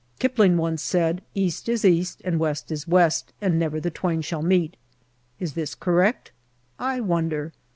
Kipling once said " East is East and West is West, and never the twain shall meet." Is this correct ? I wonder.